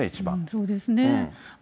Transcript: そうですね。